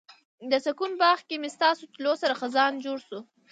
د سکون باغ کې مې ستا تلو سره خزان جوړ شو